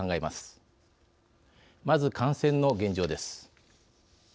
まず、感染の現状です。